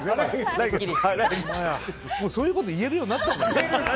そういうこと言えるようになったんだね。